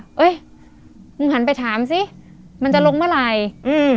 เฮ้ยมึงหันไปถามสิมันจะลงเมื่อไหร่อืม